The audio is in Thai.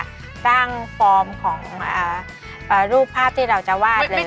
ก็สร้างฟอร์มของรูปภาพที่เราจะวาดเลย